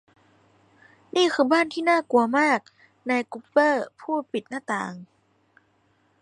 นี่คือบ้านที่น่ากลัวมากนายกุปเปอร์พูดปิดหน้าต่าง